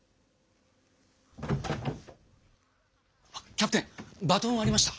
あキャプテンバトンありました？